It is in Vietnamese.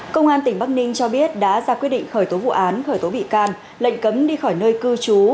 công an tỉnh bắc ninh cho biết đã ra quyết định khởi tố vụ án khởi tố bị can lệnh cấm đi khỏi nơi cư trú